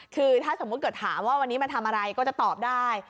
คือถ้าสมมุติเกิดถามว่าวันนี้มาทำอะไรก็จะตอบได้